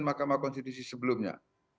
mahkamah konstitusi sebelumnya